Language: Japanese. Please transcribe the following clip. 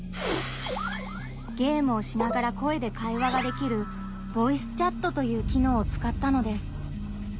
ゲームをしながら声で会話ができるボイスチャットという機能をつかったのです。